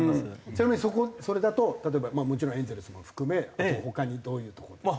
ちなみにそこそれだと例えばもちろんエンゼルスも含めあと他にどういうとこですか？